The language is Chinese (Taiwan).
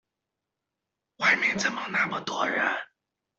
外面怎麼那麼多人？